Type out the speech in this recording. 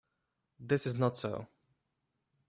This is not so.